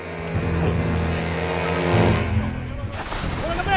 はい！